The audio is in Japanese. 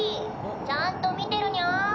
ちゃんと見てるニャ？